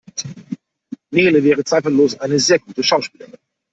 Nele wäre zweifellos eine sehr gute Schauspielerin.